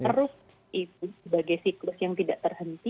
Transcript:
terus itu sebagai siklus yang tidak terhenti